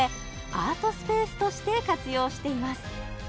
アートスペースとして活用しています